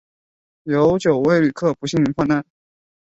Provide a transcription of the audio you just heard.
有九位旅客不幸罹难